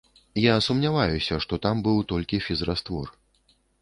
Я сумняваюся, што там быў толькі фізраствор.